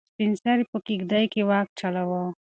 سپین سرې په کيږدۍ کې واک چلاوه.